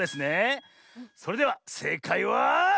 それではせいかいは。